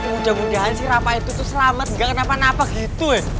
mudah mudahan si rafa itu tuh selamat gak kenapa napa gitu ya